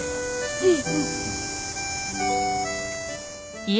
うん。